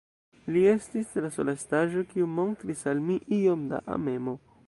Li estis la sola estaĵo, kiu montris al mi iom da amemo.